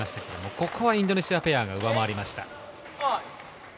ここはインドネシアペアが上回りました。